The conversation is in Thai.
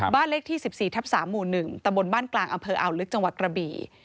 บ้านเลขที่๑๔ทับ๓หมู่๑ตำบลบ้านกลางอำเภออ่าวลึกจังหวัดกระบี่